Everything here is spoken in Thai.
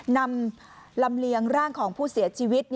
นำลำเลียงร่างของผู้เสียชีวิต